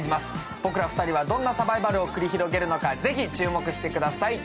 僕ら２人はどんなサバイバルを繰り広げるのか注目してください。